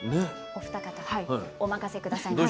お二方お任せ下さいませ。